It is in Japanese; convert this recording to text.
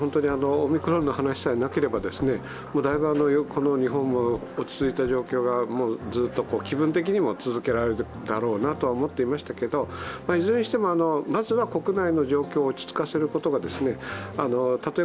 オミクロンの話さえなければ、だいぶ日本も落ち着いた状況がずっと気分的にも続けられるだろうなと思っていましたけどいずれにしても、まずは国内の状況を落ち着かせることがたとえ